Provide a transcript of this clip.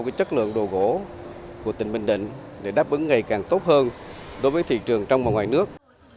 và đối với chất lượng đồ gỗ của tỉnh bình định để đáp ứng ngày càng tốt hơn đối với thị trường trong và ngoài nước